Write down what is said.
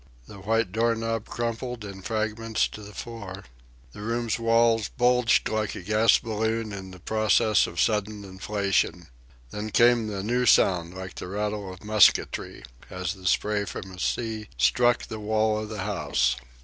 The white door knob crumbled in fragments to the floor. The room's walls bulged like a gas balloon in the process of sudden inflation. Then came a new sound like the rattle of musketry, as the spray from a sea struck the wall of the house.